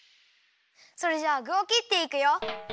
それじゃあぐをきっていくよ。